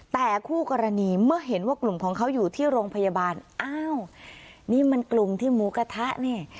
แต่คู่กรณีเมื่อเห็นว่ากลุ่มของเขาอยู่ที่โรงพยาบาลอ้าวนี่มันกลุ่มที่หมูกระทะนี่